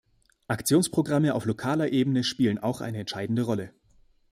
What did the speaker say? Aktionsprogramme auf lokaler Ebene spielen auch eine entscheidende Rolle.